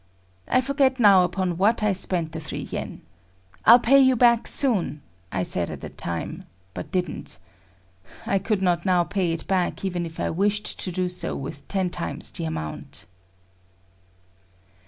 I forget now upon what I spent the three yen. "I'll pay you back soon," I said at the time, but didn't. I could not now pay it back even if I wished to do so with ten times the amount.